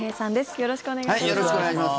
よろしくお願いします。